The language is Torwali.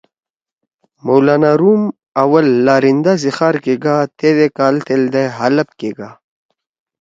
مولانا روم آول لارندہ سی خار کےگا تھید اےکال تھیلدے حلب کے گا۔